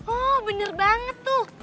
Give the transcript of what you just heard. oh bener banget tuh